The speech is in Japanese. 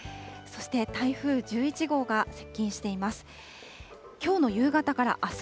そして台風１１号が接近しています。